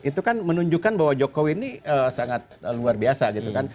itu kan menunjukkan bahwa jokowi ini sangat luar biasa gitu kan